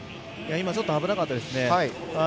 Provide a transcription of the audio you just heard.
今ちょっと危なかったです。